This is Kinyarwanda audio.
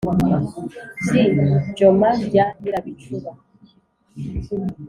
j joma rya nyirabicuba